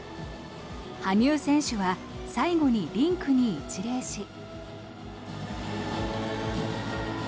羽生選手は最後にリンクに一礼し。